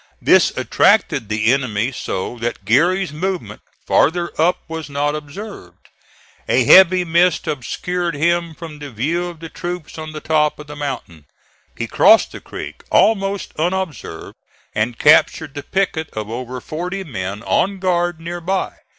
This attracted the enemy so that Geary's movement farther up was not observed. A heavy mist obscured him from the view of the troops on the top of the mountain. He crossed the creek almost unobserved, and captured the picket of over forty men on guard near by.